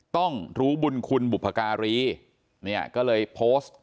ต้องรู้บุญคุณบุพการีเนี่ยก็เลยโพสต์